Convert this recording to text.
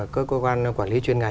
cơ quan quản lý chuyên ngành